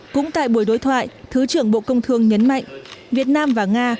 cũng tại buổi đối thoại thứ trưởng bộ công thương nhấn mạnh việt nam và nga